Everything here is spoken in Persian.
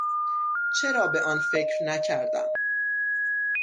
چرا به آن فکر نکردم؟